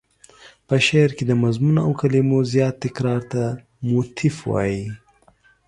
په شعر کې د مضمون او کلمو زیات تکرار ته موتیف وايي.